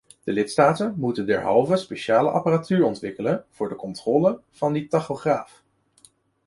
De lidstaten moeten derhalve speciale apparatuur ontwikkelen voor de controle van die tachograaf.